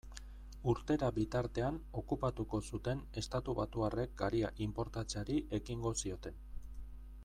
Urtera bitartean okupatuko zuten estatubatuarrek garia inportatzeari ekingo zioten.